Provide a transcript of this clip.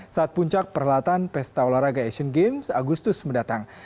saat puncak perhelatan pesta olahraga asian games agustus mendatang